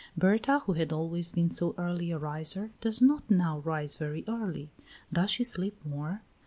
Berta, who had always been so early a riser, does not now rise very early. Does she sleep more?